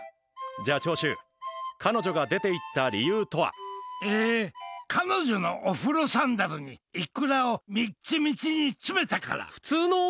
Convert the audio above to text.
じゃあ長州、彼女が出て行った理由とは？え、「彼女のお風呂サンダルにイクラをみっちみちに詰めたから」。